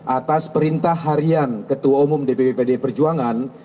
atas perintah harian ketua umum dpp pdi perjuangan